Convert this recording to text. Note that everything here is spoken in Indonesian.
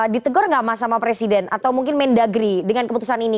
ditegur nggak mas sama presiden atau mungkin mendagri dengan keputusan ini